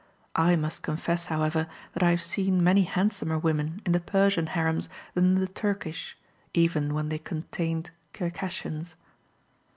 I must confess, however, that I have seen many handsomer women in the Persian harems than in the Turkish, even when they contained Circassians.